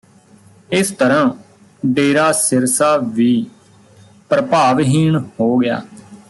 ਇਸ ਤਰ੍ਹਾਂ ਡੇਰਾ ਸਿਰਸਾ ਵੀ ਪ੍ਰਭਾਵਹੀਣ ਹੋ ਗਿਆ